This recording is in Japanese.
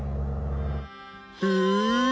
へえ。